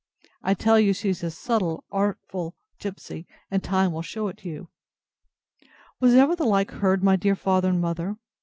I tell you she is a subtle, artful gipsy, and time will shew it you. Was ever the like heard, my dear father and mother?